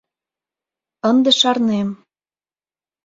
Ынде шарнем...